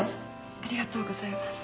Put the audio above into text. ありがとうございます。